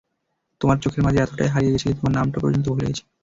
তোমার চোখের মাঝে এতোটাই হারিয়ে গেছি যে তোমার নামটা পর্যন্ত ভুলে গেছি।